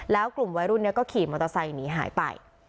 แล้วกลุ่มวัยรุ่นนี้ก็ขี่มอเตอร์ไซค์หนีหายไป